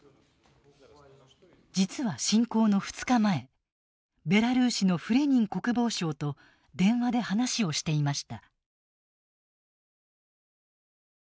実は侵攻の２日前ベラルーシのフレニン国防相と電話で話をしていました。